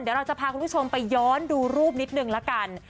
เดี๋ยวเราจะพาคุณผู้ชมไปย้อนดูรูปนิดนึงละกัน